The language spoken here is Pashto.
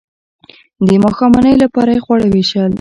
د ماښامنۍ لپاره یې خواړه ویشل.